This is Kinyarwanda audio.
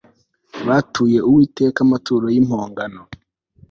batuye uwiteka amaturo y'impongano